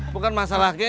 bukan masalahnya ya